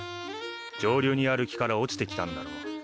上流にある木から落ちてきたんだろう。